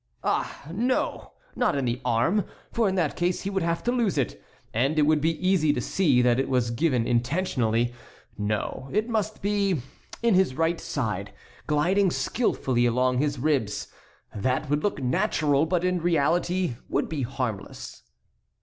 "Ah, no; not in the arm, for in that case he would have to lose it, and it would be easy to see that it was given intentionally. No, it must be in his right side, gliding skilfully along his ribs; that would look natural, but in reality would be harmless."